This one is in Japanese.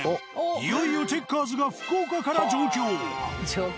いよいよチェッカーズが福岡から上京。